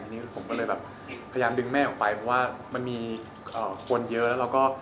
อันนี้ผมก็เลยแบบพยายามดึงแม่ออกไปเพราะว่ามันมีคนเยอะแล้วก็